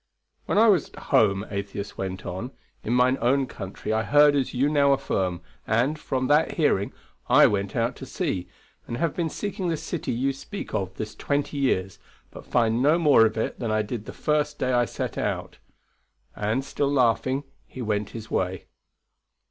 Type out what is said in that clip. When I was at home, Atheist went on, in mine own country I heard as you now affirm, and, from that hearing, I went out to see, and have been seeking this city you speak of this twenty years, but find no more of it than I did the first day I set out. And, still laughing, he went his way."